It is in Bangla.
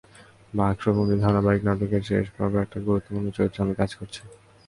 বাক্সবন্দী ধারাবাহিক নাটকের শেষ পর্বে একটা গুরুত্বপূর্ণ চরিত্রে আমি কাজ করছি।